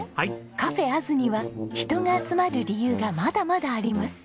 Ｃａｆａｓには人が集まる理由がまだまだあります。